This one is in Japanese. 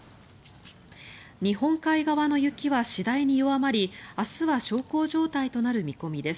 日本海側の雪は次第に弱まり明日は小康状態となる見込みです。